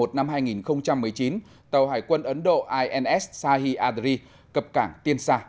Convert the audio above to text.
một mươi chín tháng một mươi đến ngày một tháng một mươi một năm hai nghìn một mươi chín tàu hải quân ấn độ ins sahi adri cập cảng tiên sa